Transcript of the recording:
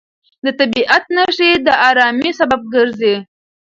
د طبیعت نښې د ارامۍ سبب ګرځي.